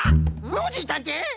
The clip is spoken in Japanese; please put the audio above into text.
ノージーたんてい！